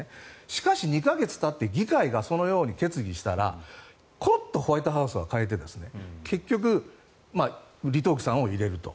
しかし２か月たって議会がそのように決議したらコロッとホワイトハウスは変えて結局、李登輝さんを入れると。